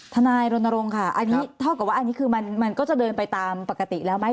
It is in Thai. ทนายรณรงค์ค่ะอันนี้เท่ากับว่าอันนี้คือมันก็จะเดินไปตามปกติแล้วไหม